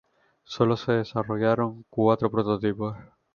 Sólo se desarrollaron cuatro prototipos.